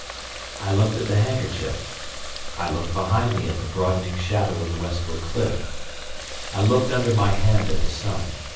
I looked at the handkerchief, I looked behind me at the broadening shadow of the westward cliff, I looked under my hand at the sun.